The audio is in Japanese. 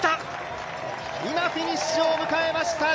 今、フィニッシュを迎えました！